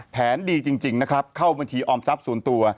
แผนดีจริงนะครับเข้าบัญชีออมทรัพย์ส่วนตัว